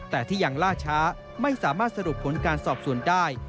แต่ที่ยังล่าช้าไม่สามารถสรุปผลการสอบสวนได้